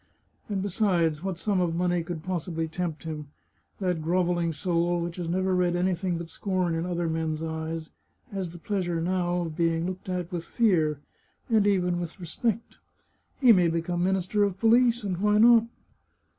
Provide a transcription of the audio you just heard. And besides, what sum of money could pos sibly tempt him? That grovelling soul, which has never read anything but scorn in other men's eyes, has the pleas 293 The Chartreuse of Parma ure, now, of being looked at with fear, and even with re spect. He may become Minister of Police — and why not?